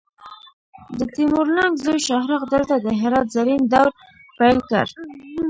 د تیمور لنګ زوی شاهرخ دلته د هرات زرین دور پیل کړ